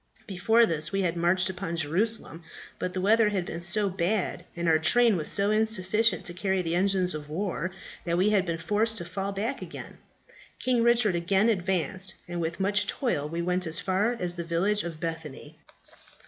Before this we had marched upon Jerusalem. But the weather had been so bad, and our train was so insufficient to carry the engines of war, that we had been forced to fall back again. King Richard again advanced, and with much toil we went as far as the village of Bethany."